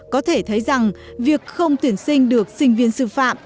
có thể thấy rằng việc không tuyển sinh được sinh viên sư phạm